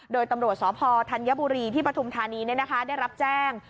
โดยตำรวจสพธัญบุรีที่ปฐุมธานีได้รับแจ้ง